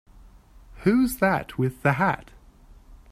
Who's that with the hat?